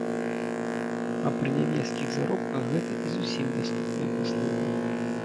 А пры нямецкіх заробках гэта і зусім даступная паслуга.